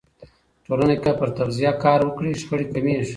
ټولنه که پر تغذیه کار وکړي، شخړې کمېږي.